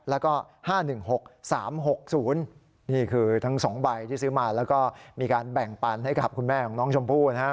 แล้วก็๕๑๖๓๖๐นี่คือทั้ง๒ใบที่ซื้อมาแล้วก็มีการแบ่งปันให้กับคุณแม่ของน้องชมพู่นะฮะ